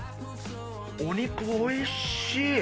お肉おいしい。